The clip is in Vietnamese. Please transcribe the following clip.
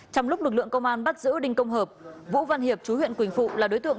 trong lúc lực lượng công an bắt giữ đinh công hợp vũ văn hiệp chú huyện quỳnh phụ là đối tượng